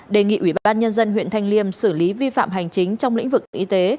đề nghị ủy ban nhân dân huyện thanh liêm xử lý vi phạm hành chính trong lĩnh vực y tế